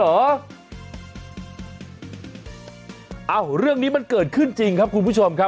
เอ้าเรื่องนี้มันเกิดขึ้นจริงครับคุณผู้ชมครับ